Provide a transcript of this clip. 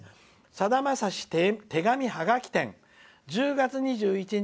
さだまさし、手紙ハガキ展１０月２１日